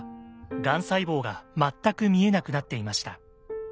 がん細胞が全く見えなくなっていました。